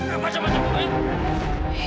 gak macam macam ya